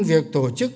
việc tổ chức